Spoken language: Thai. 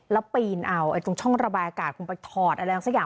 แล้วปีนเอาตรงช่องระบายอากาศคุณไปถอดอะไรสักอย่าง